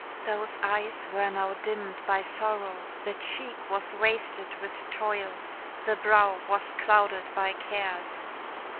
Those eyes were now dimmed by sorrow; the cheek was wasted with toil; the brow was clouded by cares.